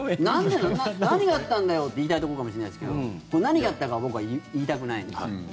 何があったんだよって言いたいところかもしれないですけど何があったかは僕は言いたくないんですよ。